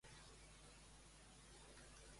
Com ha definit la Constitució?